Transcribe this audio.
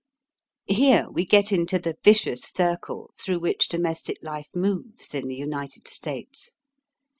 Here we get into the vicious circle through, which domestic life moves in the United States.